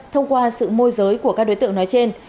thông qua sự môi giới của các đối tượng nói trên